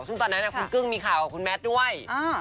ซึ่งตอนนั้นคุณกึ้งมีข่าวกับคุณแมทด้วย